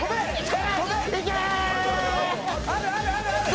あるあるあるある！